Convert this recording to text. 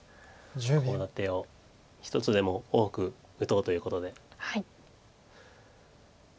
コウ立てを一つでも多く打とうということで。